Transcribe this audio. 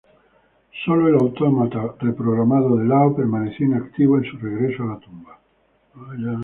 Sólo el autómata reprogramado de Lao permaneció inactivo en su regreso a la tumba.